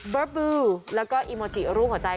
เบอร์บูแล้วก็อีโมจิรูปของใจ